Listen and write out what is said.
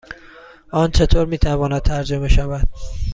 آن چطور می تواند ترجمه شود؟